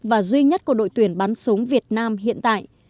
và duy nhất của đội tuyển bắn súng việt nam hiện tại